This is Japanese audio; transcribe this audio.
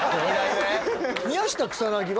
宮下草薙は？